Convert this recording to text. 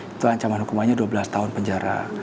itu ancaman hukumannya dua belas tahun penjara